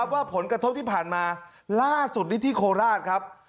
ว่าผลกระทบที่ผ่านมาล่าสุดนี้ที่โคราชครับ